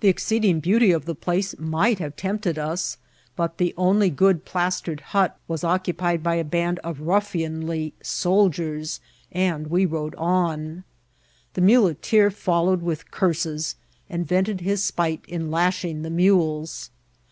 The ex* oeeding beauty of the place might have tempted us^ but the only good plastered hut was occupied by a band of ruffianly soldiers, and we rode on. The muleteer followed with curses, and vented his spite in lashing the mules.